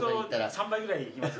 ３倍ぐらいいきます。